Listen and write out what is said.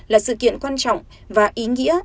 là sự kiện quan trọng và ý nghĩa